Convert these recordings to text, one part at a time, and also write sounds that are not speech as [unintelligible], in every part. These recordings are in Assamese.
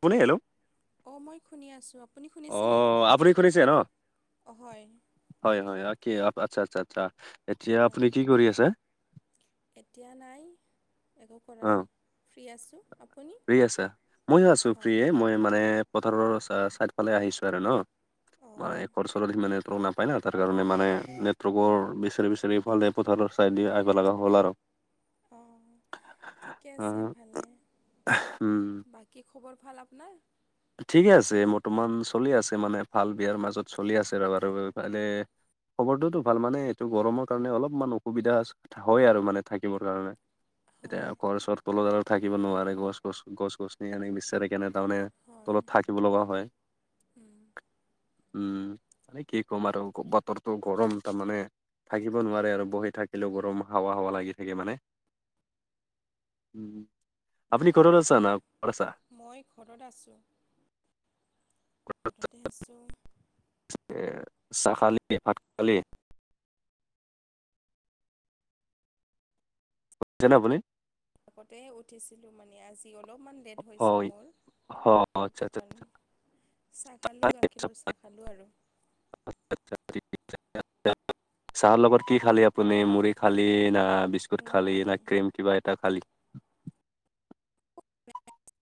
কোনে হেল্ল। অ', মই শুনি আছোঁ আপুনি অ শুনিছেনে?। আপুনি হয়। হয়-হয় কি আচ্ছা-আচ্ছা-আচ্ছা এতিয়া হয় আপুনি কি কৰি আছে?। এতিয়া নাই একো কৰা অ নাই, ফ্ৰী আছোঁ আপ ফ্ৰী আছা, ময়ো আছো ফ্ৰীয়ে। মই মানে পথাৰৰ চা-চাইদফালে আহিছো আৰু ন। মানে অঁ এ [unintelligible] নেটৰ্ক নাপায় না তাৰ কাৰণে মানে নেটৱৰ্কৰ বিচাৰি-বিচাৰি ইফালে পথাৰৰ চাইদি আহিব লগা হ'ল আৰু। অ', ঠিকে আছে ভালে। অ উম। বাকী খবৰ ভাল আপোনাৰ?। ঠিকে আছে বৰ্তমান চলি আছে মানে ভাল বেয়াৰ মাজত চলি আছে [unintelligible] মানে খবৰটোতো ভাল মানে এইটো গৰমৰ কাৰণে অলপমান অসুবিধা হয় আৰু মানে থাকিবৰ কাৰণে। হয় এতিয়া ঘৰ ওচৰত কলো দাৰ থাকিব নোৱাৰে গছ-গছ-গছ-গছনি আনি বিচাৰে কেনেধৰণে হয় তলত থাকিব লগীয়া হয়। উম। উম, মানে কি ক'ম আৰু বতৰটো গৰম তাৰমানে থাকিব নোৱাৰে আৰু বহি থাকিলেও গৰম হাৱা-হাৱা লাগি থাকে মানে। উম। আপুনি এইটো ঘৰত হ'ব আছা বাৰু না ঘৰত মই ঘৰত আছোঁ। ঘৰতে আছো। তাকে চাহ খালি, ভাত খালি?। [inaudible] তেনে আপুনি?। আগতে উঠিছিলোঁ মানে আজি অলপমান লেট হৈছে হয় মোৰ। হয় আচ্ছা সেইটো কাৰণে। চাহ খালো আচ্ছা আচ্ছা। গাখীৰৰ চাহ খালো। আৰু [inaudible] [unintelligible] চাহৰ লগত কি খালি আপুনি মুড়ি খালি না বিছ বিস্কুট, খালি নাই নে ক্ৰীম কিবা এটা খালি [unintelligible]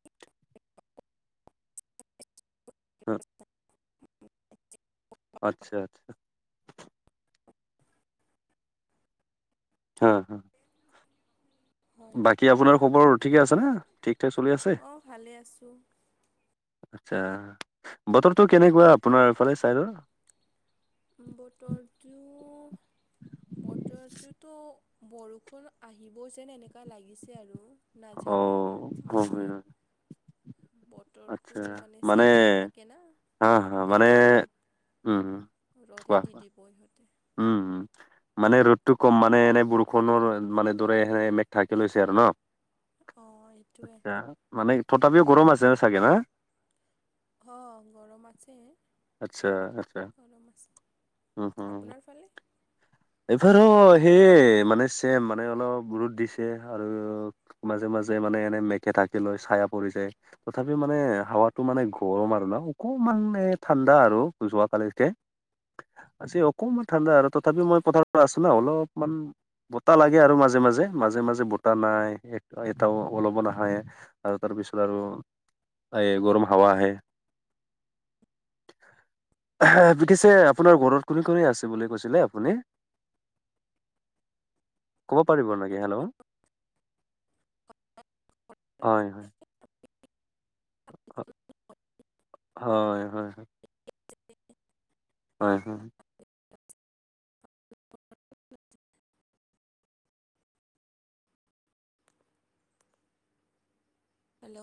হ অ আচ্ছা আচ্ছা। হা হা হয় বাকী আপোনাৰ খবৰ ঠিকে আছে নে ঠিক ঠাক চলি আছে। অঁ ভালে আছোঁ আচ্ছা বতৰটো কেনেকুৱা আপোনাৰ ফালে ছাইডৰ। বতৰ টো বতৰটোতো বৰষুণ, আহিব যেন এনেকুৱা লাগিছে আৰু নাজানো অ' হয় মানে হয় হয়। ব তৰটো মানে চেঞ্জ হৈ থাকে না, হা হা মানে কেতিয়াবা ৰ উম উম ৰ'দহে কোৱা দি কোৱা দিব ইহঁতে। উম, উম। মানে ৰ'দটো কম মানে এনে বৰষুণৰ মানে দৰে এনে মেঘ ঢাকি লৈছে আৰু ন। অঁ এইটোৱে আচ্ছা, মানে তথাপিও গৰম আছে ছাগে না? অঁ, গৰম আছে। আচ্ছা আচ্ছা। গৰম আছে, আপোনাৰ ফালে? এইফালো সেইয়ে মানে চেম মানে অলপ ৰ'দ দিছে আৰু। মাজে মাজে মানে এনে মেঘে ঢাকি লৈ চায়া পৰি যায় তথাপি মানে হাৱাত টো মানে গৰম আৰু ন, অকণমান এ ঠাণ্ডা আৰু যোৱাকালিত কে। আজি অকণমান ঠাণ্ডা আৰু তথাপি মই পথাৰ পৰা আছো ন, অলপমান বতাহ লাগে আৰু মাজে মাজে মাজে মাজে বতাহ নাই এটাও ওলাব নাহে। আৰু তাৰপিছত আৰু এই গৰম হাৱা আহে। এহ পিঠিছে আপোনাৰ ঘৰত কোনে কোনে আছে বুলি কৈছিলে আপুনি? ক'ব পাৰিব নেকি? হেল্ল হয়। হ হয় হয়। হয় হয়। হেল্ল